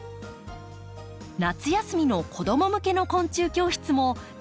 夏休みの子ども向けの昆虫教室も大人気です。